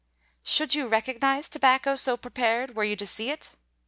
"Should you recognise tobacco so prepared, were you to see it?"